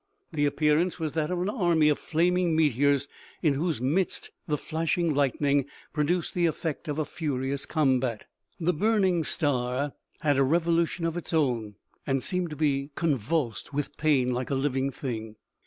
The appearance was that of an army of flaming meteors, in whose midst the flashing lightning produced the effect of a furious combat. The burning star had a revolution of its own, and seemed to be convulsed with pain, like a living thing.